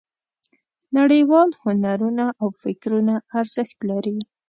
نړیوال هنرونه او فکرونه ارزښت لري.